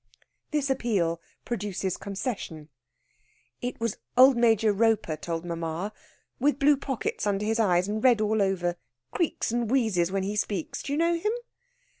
This appeal produces concession. "It was old Major Roper told mamma with blue pockets under his eyes and red all over, creeks and wheezes when he speaks do you know him?"